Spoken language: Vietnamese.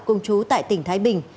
cùng chú tại tỉnh thái bình